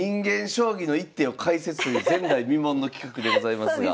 将棋の一手を解説という前代未聞の企画でございますが。